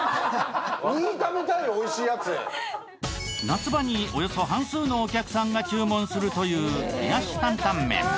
夏場におよそ半数のお客さんが注文するという冷やし担々麺。